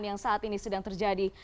yang saat ini sedang terjadi